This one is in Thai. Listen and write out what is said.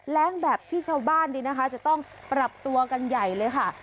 แรงแบบที่ชาวบ้านนี้นะคะจะต้องปรับตัวกันใหญ่เลยค่ะ